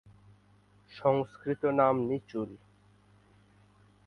সংস্কৃত নাম নিচুল।